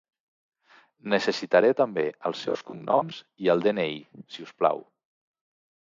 Necessitaré també els seus cognoms i el de-ena-i, si us plau.